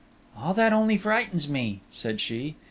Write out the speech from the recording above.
"All that only frightens me!" said she....